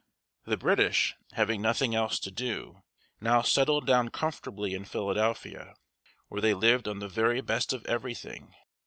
The British, having nothing else to do, now settled down comfortably in Philadelphia, where they lived on the very best of everything.